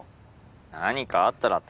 何かあったらって